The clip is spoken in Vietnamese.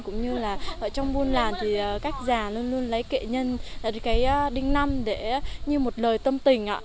cũng như là trong buôn làn thì các già luôn luôn lấy kệ nhân đinh năm để như một lời tâm tình